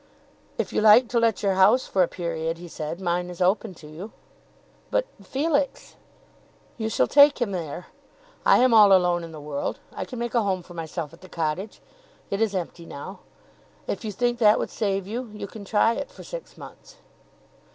"If you like to let your house for a period," he said, "mine is open to you." "But, Felix?" "You shall take him there. I am all alone in the world. I can make a home for myself at the cottage. It is empty now. If you think that would save you you can try it for six months."